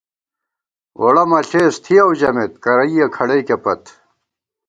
ووڑہ مَہ ݪېس تھِیَؤ ژَمېت ، کرَئیَہ کھڑَئیکے پت